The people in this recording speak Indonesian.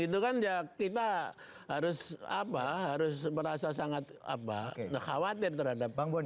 itu kan kita harus merasa sangat khawatir terhadap masalah ini